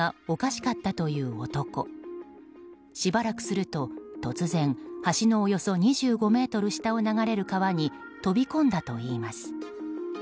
しばらくすると、突然橋のおよそ２５ｍ下を流れる川に飛び込んだといいます。